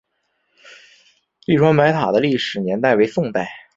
栗川白塔的历史年代为宋代。